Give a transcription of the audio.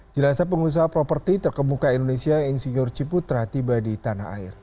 jenasa pengusaha properti terkemuka indonesia insinyur ciputra tiba di tanah air